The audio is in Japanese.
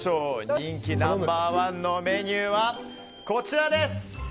人気ナンバー１のメニューはこちらです！